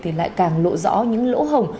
thì lại càng lộ rõ những lỗ hồng